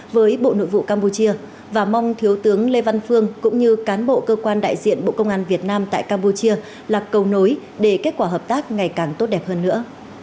với bộ nội vụ campuchia và mong thiếu tướng lê văn phương cũng như cán bộ cơ quan đại diện bộ công an việt nam tại campuchia là cầu nối để kết quả hợp tác ngày càng tốt đẹp hơn nữa